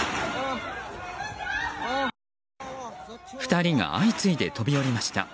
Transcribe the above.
２人が相次いで飛び降りました。